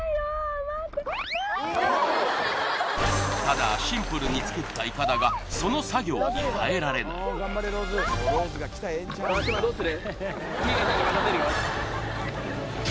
ただシンプルに作ったイカダがその作業に耐えられない待って！